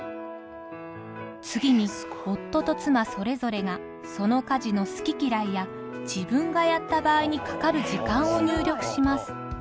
次に夫と妻それぞれがその家事の好き嫌いや自分がやった場合にかかる時間を入力します。